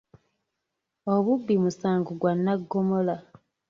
Obubbi musango gwa nnaggomola.